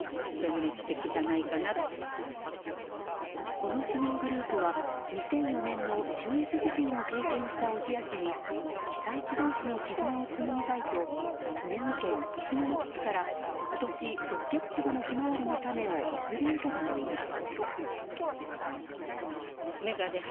この市民グループは２００４年の中越地震を経験した小千谷市に被災地同士の絆を紡ぎたいと宮城県石巻市から今年６００粒のヒマワリの種を譲り受けたといいます。